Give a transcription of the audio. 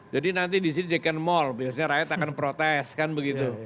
jadi nanti di sini decen mall biasanya rakyat akan protes kan begitu